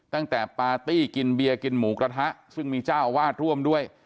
ตั้งแต่ปาร์ตี้กินเบียร์กินหมูกระทะซึ่งมีเจ้าอาวาสร่วมด้วย